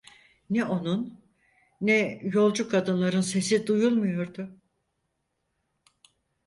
Ne onun, ne yolcu kadınların sesi duyulmuyordu.